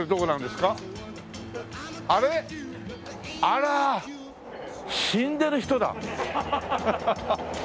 あら死んでる人だ。ハハハ。